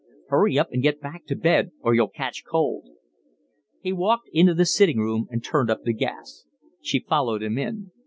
"Hurry up and get back to bed, or you'll catch cold." He walked into the sitting room and turned up the gas. She followed him in.